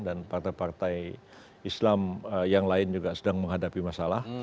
partai partai islam yang lain juga sedang menghadapi masalah